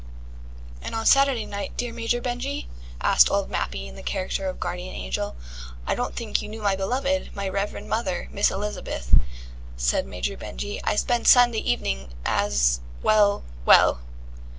"And on Sunday night, dear Major Benjy?" asked Old Mappy in the character of Guardian Angel. "I don't think you knew my beloved, my revered mother, Miss Elizabeth," said Major Benjy. "I spend Sunday evening as Well, well."